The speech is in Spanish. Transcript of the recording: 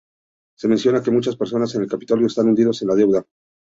Se menciona que muchas personas en el Capitolio están "hundidos en la deuda".